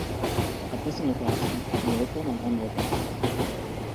Après son opération, il retourne en Grande-Bretagne.